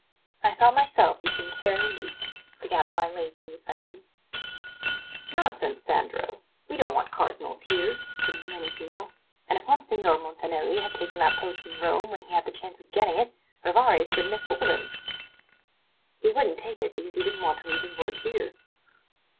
"I thought myself he seemed fairly decent," the Gadfly lazily assented. "Nonsense, Sandro! We don't want Cardinals here!" said Domenichino. "And if Monsignor Montanelli had taken that post in Rome when he had the chance of getting it, Rivarez couldn't have fooled him." "He wouldn't take it because he didn't want to leave his work here."